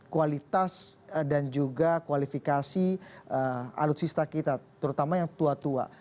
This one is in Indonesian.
kualitas dan juga kualifikasi alutsista kita terutama yang tua tua